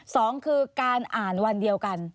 สองคือการอ่านวันเดียวกัน